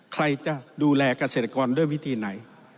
ใครจะดูแลเกษตรกรด้วยวิธีไหน